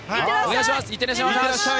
いってらっしゃい！